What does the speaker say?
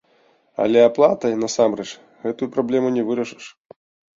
Але аплатай, насамрэч, гэтую праблему не вырашыш.